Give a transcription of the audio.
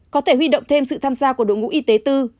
có thể huy động thêm sự tham gia của đội ngũ y tế tư